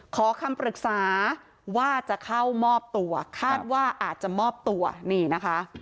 ขอคำปรึกษาว่าจะเข้ามอบตัวคาดว่าอาจจะมอบตัวนี่นะคะ